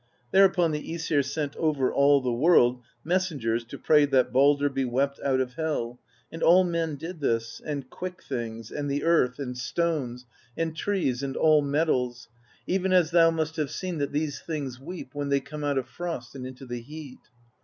Thereupon the i^sir sent over all the world mes sengers to pray that Baldr be wept out of Hel; and all men did this, and quick things, and the earth, and stones, THE BEGUILING OF GYLFI 75 and trees, and all metals, — even as thou must have seen that these things weep when they come out of frost and into the heat.